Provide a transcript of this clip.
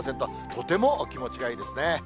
とても気持ちがいいですね。